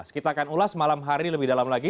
kita akan ulas malam hari lebih dalam lagi